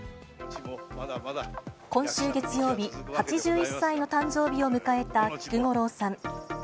今週月曜日、８１歳の誕生日を迎えた菊五郎さん。